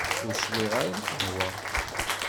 Ur swiɣ ara lqahwa.